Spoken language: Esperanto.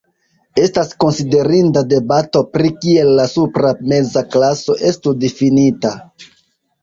Estas konsiderinda debato pri kiel la supra meza klaso estu difinita.